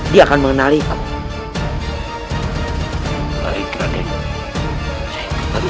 dia akan mengenalikamu